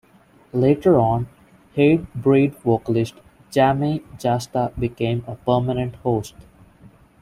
Later on, Hatebreed vocalist Jamey Jasta became a permanent host.